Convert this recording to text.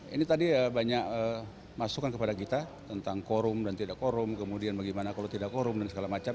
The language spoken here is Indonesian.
ini tadi banyak masukan kepada kita tentang korum dan tidak korum kemudian bagaimana kalau tidak korum dan segala macam